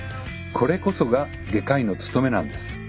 これこそが外科医の務めなんです。